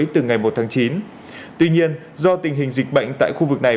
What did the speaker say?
tuy nhiên do tình hình dịch bệnh tại khu vực này